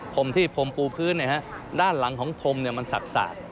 พรมที่พรมปูพื้นเนี่ยฮะด้านหลังของพรมเนี่ยมันสัก